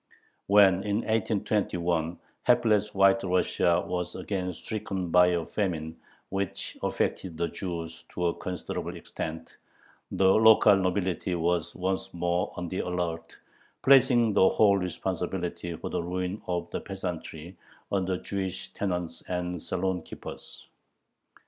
When, in 1821, hapless White Russia was again stricken by a famine, which affected the Jews to a considerable extent, the local nobility was once more on the alert, placing the whole responsibility for the ruin of the peasantry on the Jewish tenants and saloon keepers.